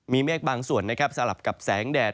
มีเมียกบางส่วนสลับกับแสงแดด